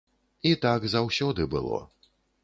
І так заўсёды было.